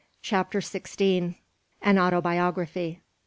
CHAPTER SIXTEEN. AN AUTOBIOGRAPHY.